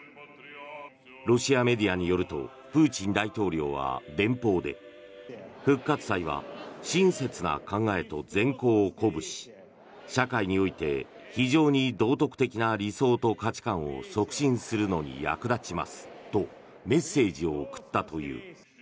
ロシアメディアによるとプーチン大統領は電報で復活祭は親切な考えと善行を鼓舞し社会において非常に道徳的な理想と価値観を促進するのに役立ちますとメッセージを送ったという。